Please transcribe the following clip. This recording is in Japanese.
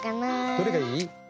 どれがいい？